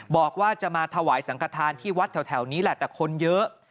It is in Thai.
บอกว่าจะมาถวายสังขทานที่วัดแถวนี้แหละแต่คนเยอะ